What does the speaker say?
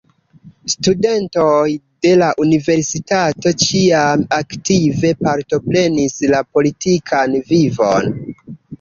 Studentoj de la universitato ĉiam aktive partoprenis la politikan vivon.